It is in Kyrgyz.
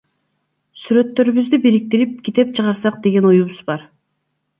Сүрөттөрүбүздү бириктирип, китеп чыгарсак деген оюбуз бар.